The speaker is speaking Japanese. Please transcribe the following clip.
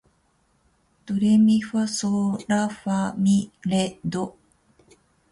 ドレミファソーラファ、ミ、レ、ドー